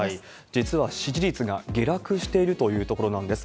実は支持率が下落しているというところなんです。